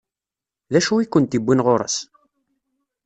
D acu i kent-iwwin ɣur-s?